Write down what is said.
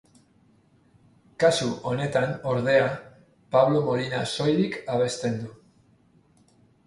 Kasu honetan ordea Pablo Molina soilik abesten du.